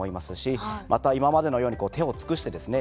また今までのように手を尽くしてですね